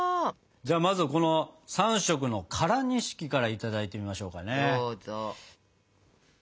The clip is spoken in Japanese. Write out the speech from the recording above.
じゃあまずはこの３色の唐錦からいただいてみましょうかね。